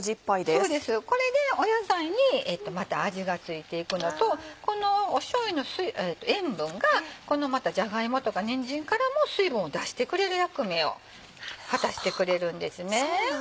これで野菜にまた味が付いていくのとこのしょうゆの塩分がじゃが芋とかにんじんからも水分を出してくれる役目を果たしてくれるんですね。